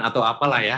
atau apalah ya